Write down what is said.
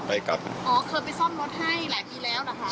อ๋อเคยไปซ่อมรถให้หลายทีแล้วนะคะ